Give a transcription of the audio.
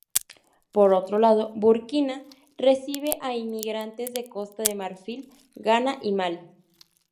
Por otro lado, Burkina recibe a inmigrantes de Costa de Marfil, Ghana y Mali.